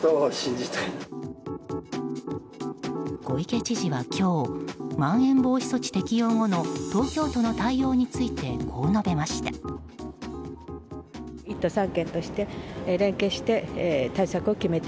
小池知事は今日まん延防止措置適用後の東京都の対応についてこう述べました。